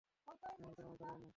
এমনকি আমার দ্বারাও না।